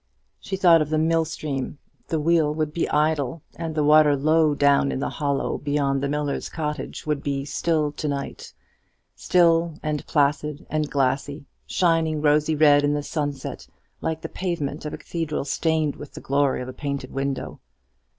She thought of the mill stream. The wheel would be idle; and the water low down in the hollow beyond the miller's cottage would be still to night, still and placid and glassy, shining rosy red in the sunset like the pavement of a cathedral stained with the glory of a painted window.